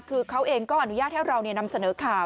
คือเขาเองก็อนุญาตให้เรานำเสนอข่าว